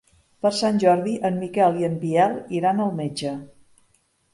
Per Sant Jordi en Miquel i en Biel iran al metge.